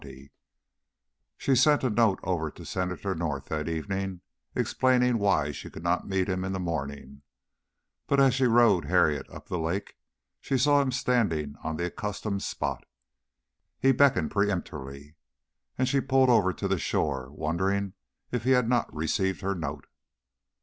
XX She sent a note over to Senator North that evening, explaining why she could not meet him in the morning; but as she rowed Harriet up the lake, she saw him standing on the accustomed spot. He beckoned peremptorily, and she pulled over to the shore, wondering if he had not received her note.